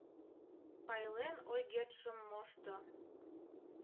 Пайлен ойгет шым мошто.